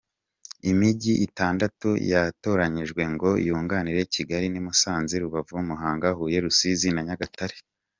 Imijyi itandatu yatoranyijwe ngo yunganire Kigali ni Musanze, Rubavu, Muhanga, Huye, Rusizi na Nyagatare.